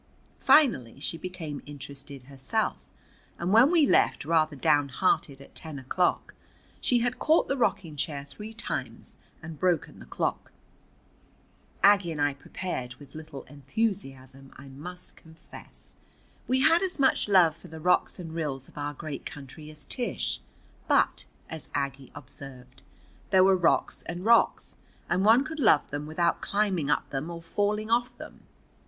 Finally she became interested herself, and when we left rather downhearted at ten o'clock she had caught the rocking chair three times and broken the clock. Aggie and I prepared with little enthusiasm, I must confess. We had as much love for the rocks and rills of our great country as Tish, but, as Aggie observed, there were rocks and rocks, and one could love them without climbing up them or falling off them.